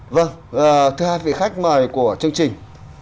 vâng thứ hai vị khách mời của chương trình